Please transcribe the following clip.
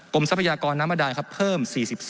กรมทรัพยากรน้ำอดาลครับเพิ่ม๔๒